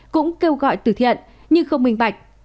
cũng kêu gọi từ thiện nhưng không bình bạch